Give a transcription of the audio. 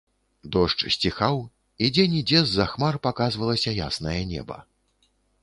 Дождж сціхаў, і дзе-нідзе з-за хмар паказвалася яснае неба.